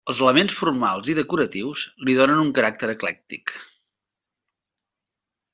Els elements formals i decoratius li donen un caràcter eclèctic.